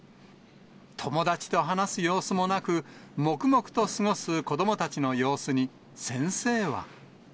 友達と話す様子もなく、黙々と過ごす子どもたちの様子に、先生は。